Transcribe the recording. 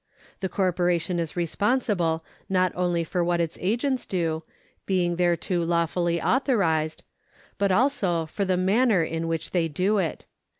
The corporation is responsible not only for what its agents do, being there unto lawfully authorised, but also for the manner in which they do it.